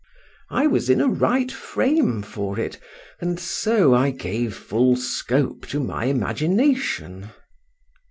I was in a right frame for it, and so I gave full scope to my imagination.